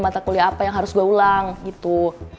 mata kuliah apa yang harus gue ulang gitu